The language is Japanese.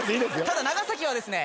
ただ長崎はですね